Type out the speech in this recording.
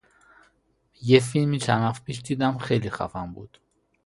یه فیلمی چند وقت پیش دیدم، خیلی خفن بود